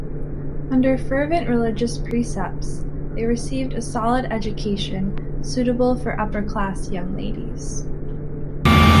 Under fervent religious precepts, they received a solid education, suitable for upper-class young ladies.